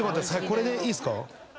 これでいいっすか？